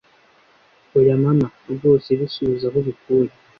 Oya Mama rwose bisubize aho ubikuye